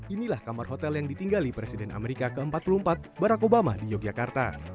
inilah kamar hotel yang ditinggali presiden amerika ke empat puluh empat barack obama di yogyakarta